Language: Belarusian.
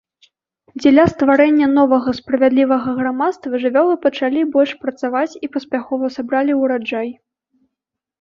Дзеля стварэння новага, справядлівага грамадства жывёлы пачалі больш працаваць і паспяхова сабралі ураджай.